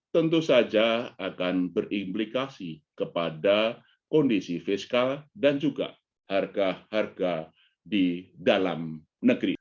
tentu saja akan berimplikasi kepada kondisi fiskal dan juga harga harga di dalam negeri